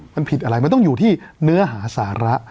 มันผิดอะไรมันต้องอยู่ที่เนื้อหาสาระ